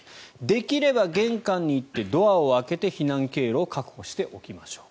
できれば玄関に行ってドアを開けて避難経路を確保しておきましょうと。